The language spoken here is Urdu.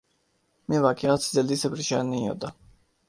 میں واقعات سے جلدی سے پریشان نہیں ہوتا